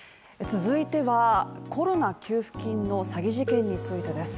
続いては、コロナ給付金の詐欺事件についてです